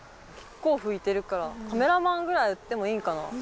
こう吹いてるからカメラマンくらい打ってもいいんかな？